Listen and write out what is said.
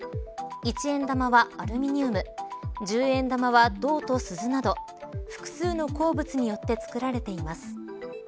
１円玉はアルミニウム１０円玉は銅とスズなど複数の鉱物によって作られています。